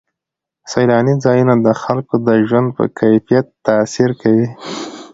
سیلاني ځایونه د خلکو د ژوند په کیفیت تاثیر کوي.